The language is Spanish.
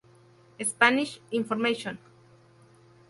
Spanish information